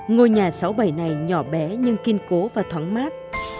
ngôi nhà sáu mươi bảy này nhỏ bé nhưng kiên cố và thoáng mát